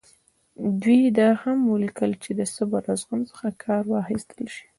دوی دا هم ولیکل چې د صبر او زغم څخه کار واخیستل شي.